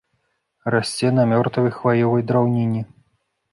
Расце на мёртвай хваёвай драўніне.